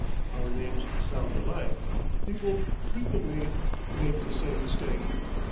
Our names sound alike people frequently make the same mistake.